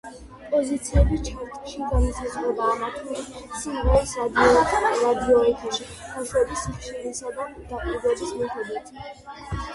პოზიციები ჩარტში განისაზღვრება ამა თუ იმ სიმღერის რადიოეთერში გაშვების სიხშირის და გაყიდვების მიხედვით.